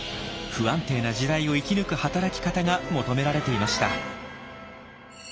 不安定な時代を生き抜く働き方が求められていました。